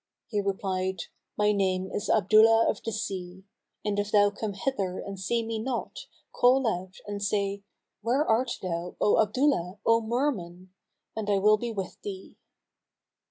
He replied, "My name is Abdullah of the sea; and if thou come hither and see me not, call out and say, 'Where art thou, O Abdullah, O Merman?' and I will be with thee."